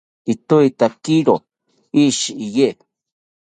itoetakiro ishi iye